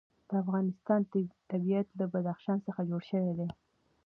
د افغانستان طبیعت له بدخشان څخه جوړ شوی دی.